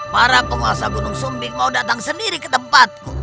para penguasa gunung sumbing mau datang sendiri ke tempatku